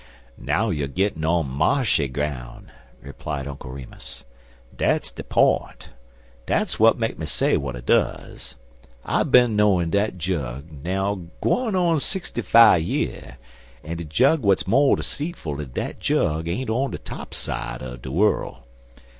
"Now you er gittin' on ma'shy groun'," replied Uncle Remus. "Dat's de p'int. Dat's w'at make me say w'at I duz. I bin knowin' dat jug now gwine on sixty fi' year, an' de jug w'at's more seetful dan dat jug ain't on de topside er de worrul.